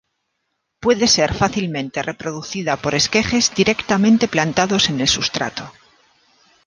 Puede ser fácilmente reproducida por esquejes directamente plantados en el sustrato.